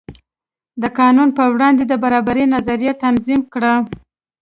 د قانون په وړاندې د برابرۍ نظریه تنظیم کړه.